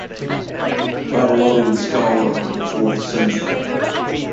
Babylonian scholar of the fourth century.